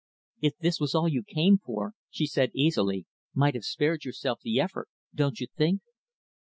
"If this is all you came for," she said, easily, "might have spared yourself the effort don't you think?"